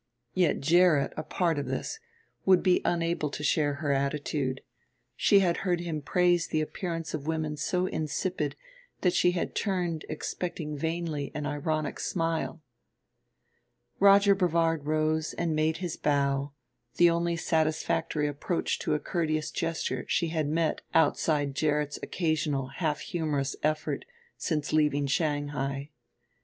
Yet Gerrit, a part of this, would be unable to share her attitude; she had heard him praise the appearance of women so insipid that she had turned expecting vainly an ironic smile. Roger Brevard rose and made his bow, the only satisfactory approach to a courteous gesture she had met outside Gerrit's occasional half humorous effort since leaving Shanghai.